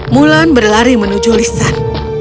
mulan berlari menuju lisan